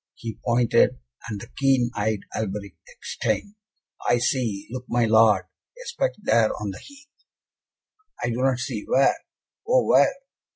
He pointed, and the keen eyed Alberic exclaimed, "I see! Look, my Lord, a speck there on the heath!" "I do not see! where, oh where?"